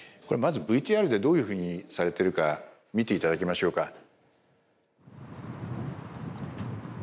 これまずＶＴＲでどういうふうにされてるか見て頂きましょうか。